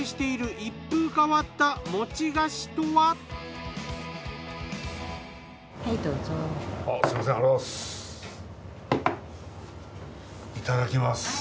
いただきます。